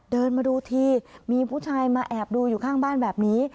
เดินมาดูทีมีผู้ชายมาแอบดูอยู่ข้างบ้านแบบนี้